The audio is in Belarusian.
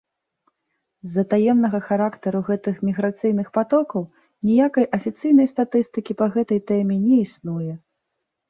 З-за таемнага характару гэтых міграцыйных патокаў ніякай афіцыйнай статыстыкі па гэтай тэме не існуе.